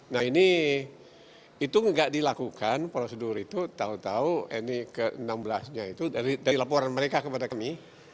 nah ini itu nggak dilakukan prosedur itu tahu tahu ini ke enam belas nya itu dari laporan mereka kepada kami